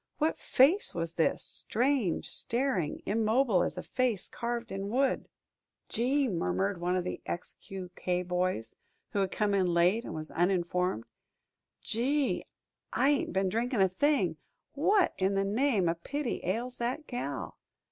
What face was this, strange, staring, immobile as a face carved in wood? "Gee!" murmured one of the X Q K boys, who had come in late and was uninformed. "Gee, I ain't been a drinkin' a thing what in the name o' pity ails that gal!"